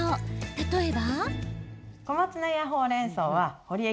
例えば。